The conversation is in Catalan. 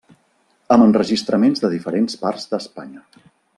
Amb enregistraments de diferents parts d'Espanya.